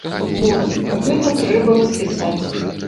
Вось, гэта трэба распісаць.